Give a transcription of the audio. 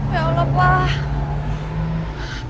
ya allah pak